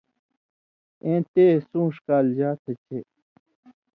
ایں تے سُون٘ݜ کالژا تھہۡ چے